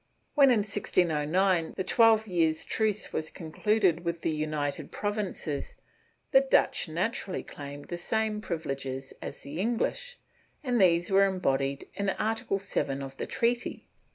^ When, in 1609, the twelve years' truce was concluded with the United Provinces, the Dutch naturally claimed the same privi leges as the English, and these were embodied in Article 7 of the treaty.